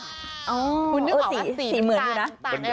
คุณนึกว่าสีเหมือนดูนะ